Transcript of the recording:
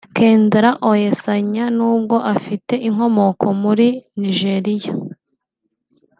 Kendra Oyesanya nubwo afite inkomoko muri Nigeria